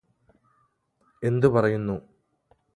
എന്തു പറയുന്നു